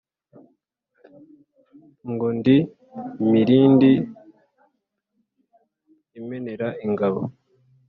Ngo ndi Mirindi imenera ingabo